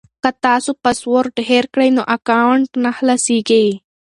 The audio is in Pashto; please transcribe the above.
که تاسو پاسورډ هېر کړئ نو اکاونټ نه خلاصیږي.